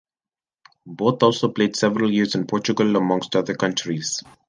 Both also played several years in Portugal, amongst other countries.